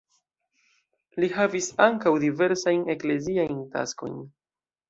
Li havis ankaŭ diversajn ekleziajn taskojn.